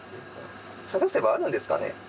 探せばあるんですかね。